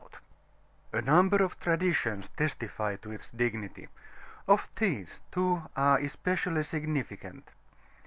[FN#21] A number of traditions testify to its dignity: of these, two are especially significant.